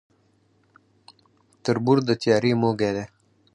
تر بور د تيارې موږى دى.